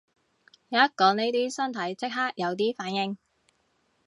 一講呢啲身體即刻有啲反應